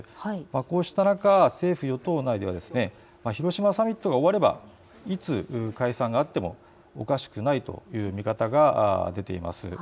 こうした中、政府与党内で広島サミットが終わればいつ解散があってもおかしくないという見方が出ています。